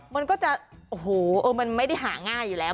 มันก็จะโอ้โหมันไม่ได้หาง่ายอยู่แล้ว